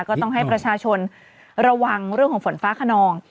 ก็ต้องให้ประชาชนระวังเรื่องของฝนฟ้าขนอง